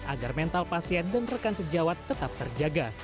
agar mental pasien dan rekan sejawat tetap terjaga